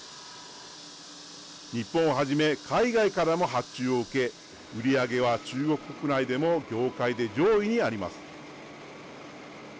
日本をはじめ海外からも発注を受け売り上げは中国国内でも業界で上位にあります。